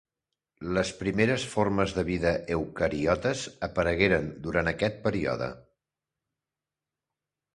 Les primeres formes de vida eucariotes aparegueren durant aquest període.